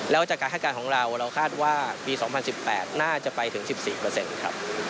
แล้วจากการให้การของเราเราคาดว่าปี๒๐๑๘น่าจะไปถึง๑๔ครับ